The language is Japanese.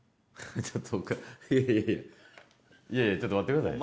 いやいやちょっと待ってください。